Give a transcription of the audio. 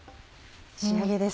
仕上げです。